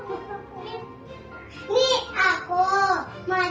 mereka diberikan pembahasan untuk anak anak mereka